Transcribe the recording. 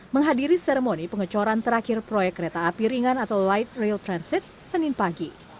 menghadiri seremoni pengecoran terakhir proyek kereta api ringan atau light rail transit senin pagi